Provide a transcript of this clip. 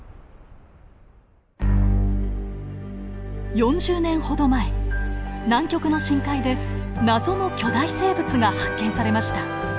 ４０年ほど前南極の深海で謎の巨大生物が発見されました。